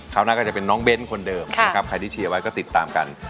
คราวหน้าก็จะเป็นน้องเบ้นคนเดิมใครที่เชียวไว้ก็ติดตามกัน